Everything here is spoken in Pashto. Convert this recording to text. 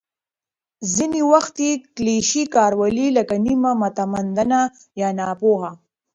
ځینې وخت یې کلیشې کارولې، لکه «نیمه متمدنه» یا «ناپوه».